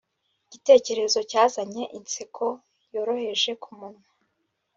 igitekerezo cyazanye inseko yoroheje kumunwa